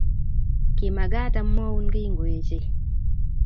kimagaat amwaun kiiy ngoeche